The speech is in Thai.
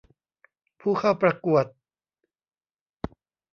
ผู้เข้าประกวด